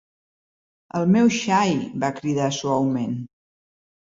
"El meu xai!" va cridar suaument.